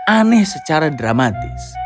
aneh secara dramatis